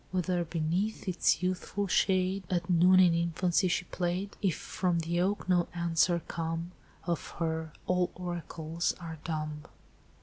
Whether beneath its youthful shade At noon, in infancy, she played? If from the oak no answer come Of her, all oracles are dumb!